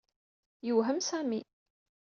Yewhem Sami.